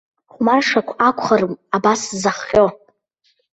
Хәмаршақә акәхарым абас сзаҟьо.